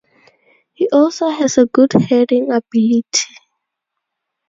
He also has a good heading ability.